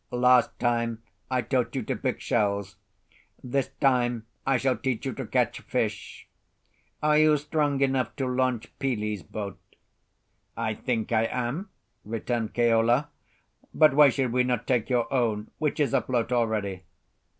Last time I taught you to pick shells; this time I shall teach you to catch fish. Are you strong enough to launch Pili's boat?" "I think I am," returned Keola. "But why should we not take your own, which is afloat already?"